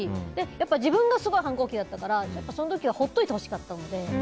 やっぱり自分がすごい反抗期だったからやっぱその時は放っておいてほしかったので。